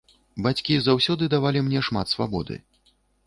Бацькі заўсёды давалі мне шмат свабоды.